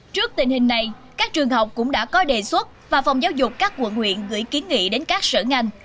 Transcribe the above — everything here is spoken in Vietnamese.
trước tình hình này các trường học cũng đã có đề xuất và phòng giáo dục các quận huyện gửi kiến nghị đến các sở ngành